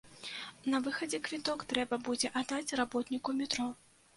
На выхадзе квіток трэба будзе аддаць работніку метро.